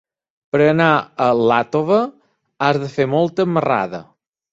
Per anar a Iàtova has de fer molta marrada.